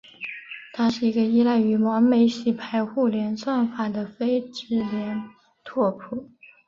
它是一个依赖于完美洗牌互联算法的非直连拓扑。